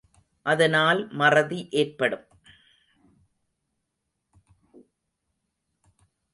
அதனால் மறதி ஏற்படும்.